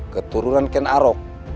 keturunan ken arok